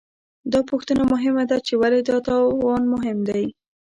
دا پوښتنه مهمه ده، چې ولې دا توان مهم دی؟